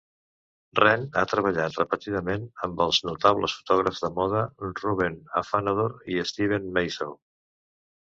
Renn ha treballat repetidament amb els notables fotògrafs de moda Ruven Afanador i Steven Meisel.